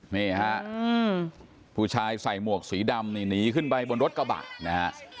นี่ฮะผู้ชายใส่หมวกสีดำนี่หนีขึ้นไปบนรถกระบะนะฮะ